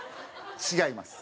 違います。